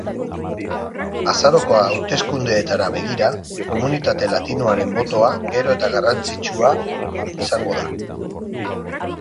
Azaroko hauteskundeetara begira, komunitate latinoaren botoa gero eta garrantzitsua izango da.